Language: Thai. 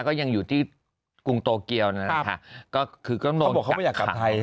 ก็ยังอยู่ที่กรุงโตเกียวนะครับก็คือก็เขาบอกเขาไม่อยากกลับไทย